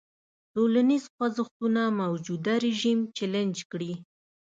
ټولنیز خوځښتونه موجوده رژیم چلنج کړي.